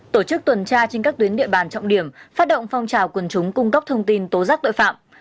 tổ chức tuần tra trên các tuyến địa bàn trọng điểm phát động phong trào quần chúng cung cấp thông tin tố giác tội phạm